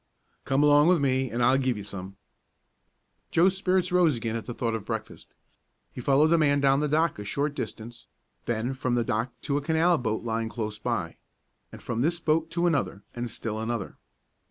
"Come along with me, an' I'll give you some." Joe's spirits rose again at the thought of breakfast. He followed the man down the dock a short distance, then from the dock to a canal boat lying close by, and from this boat to another, and still another.